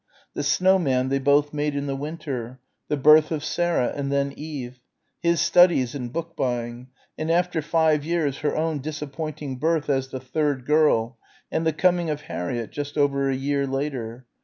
The snow man they both made in the winter the birth of Sarah and then Eve ... his studies and book buying and after five years her own disappointing birth as the third girl, and the coming of Harriett just over a year later